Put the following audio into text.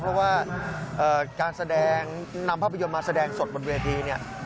เพราะว่าการแสดงนำภาพยนตร์มาแสดงสดบนเวทีเนี่ย